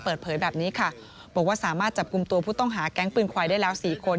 เปิดเผยแบบนี้ค่ะบอกว่าสามารถจับกลุ่มตัวผู้ต้องหาแก๊งปืนควายได้แล้ว๔คน